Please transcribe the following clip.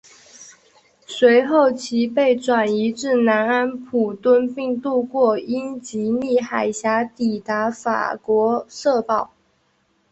随后其被转移至南安普敦并渡过英吉利海峡抵达法国瑟堡。